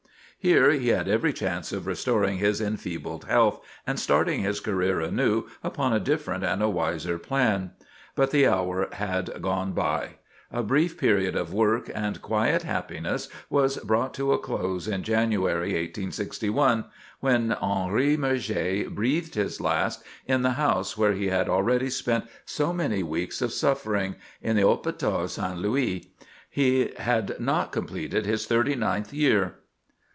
Here he had every chance of restoring his enfeebled health, and starting his career anew upon a different and a wiser plan. But the hour had gone by. A brief period of work and quiet happiness was brought to a close in January, 1861, when Henri Murger breathed his last in the house where he had already spent so many weeks of suffering—in the Hôpital St. Louis. He had not completed his thirty ninth year.